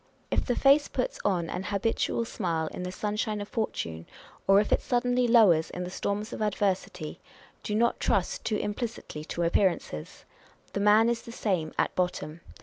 If the face puts on an habitual smile in the sunshine of fortune, or if it suddenly lowers in the storms of adversity, do not trust too im plicitly to appearances ; the man is the same at bottom.